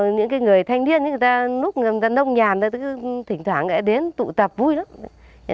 những người thanh niên lúc nông nhàn thì thỉnh thoảng họ đến tụ tập vui lắm